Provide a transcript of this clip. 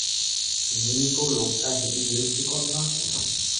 মিমিকো, লোকটা হেবি বিরক্তিকর না?